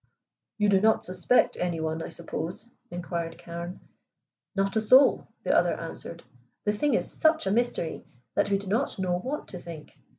"You do not suspect any one, I suppose?" inquired Carne. "Not a soul," the other answered. "The thing is such a mystery that we do not know what to think.